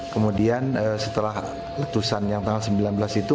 kemudian setelah letusan yang tanggal sembilan belas itu